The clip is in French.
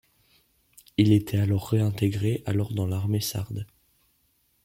Il est alors réintégré alors dans l’armée sarde.